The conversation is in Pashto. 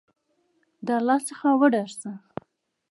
د الله څخه وډار شه !